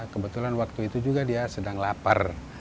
kebetulan waktu itu juga dia sedang lapar